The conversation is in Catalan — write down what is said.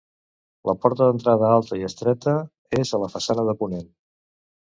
La porta d'entrada, alta i estreta, és a la façana de ponent.